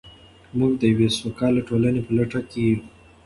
موږ د یوې سوکاله ټولنې په لټه کې یو.